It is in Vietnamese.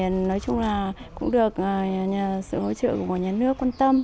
nói chung là cũng được nhờ sự hỗ trợ của nhà nước quan tâm